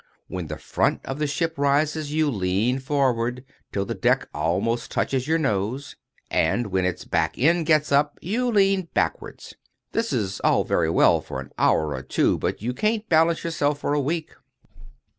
When the front of the ship rises, you lean forward, till the deck almost touches your nose; and when its back end gets up, you lean backwards. This is all very well for an hour or two; but you can't balance yourself for a week.